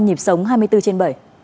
nhịp sống hai mươi bốn trên bảy